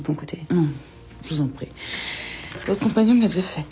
うん？